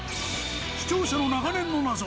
視聴者の長年の謎。